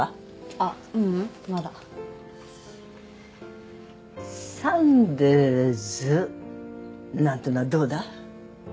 あっううんまだサンデイズなんてのはどうだ？